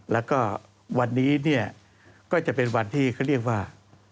แล้วก็วันนี้เนี่ยก็จะเป็นวันที่เขาเรียกว่า